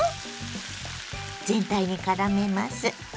全体にからめます。